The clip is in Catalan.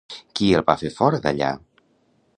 Qui el va fer fora d'allà?